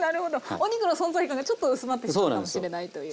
お肉の存在感がちょっと薄まってしまうかもしれないという。